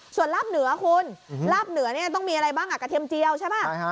ส่วนลาบเหนือคุณลาบเหนือต้องมีอะไรบ้างกะเทียมเจียวใช่ไหม